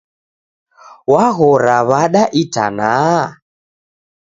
W'aghora w'ada itanaha?